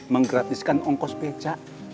menggratiskan ongkos pecah